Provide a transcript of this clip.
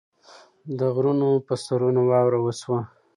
د غرونو پۀ سرونو واوره وشوه